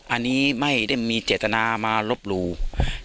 อันนี้ไม่ได้มีเจตนามาลบหลู่